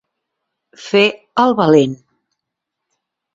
Fer el valent.